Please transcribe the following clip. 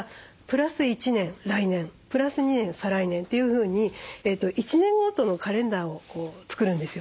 プラス２年再来年というふうに１年ごとのカレンダーを作るんですよ。